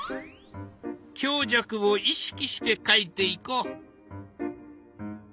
強弱を意識して描いていこう。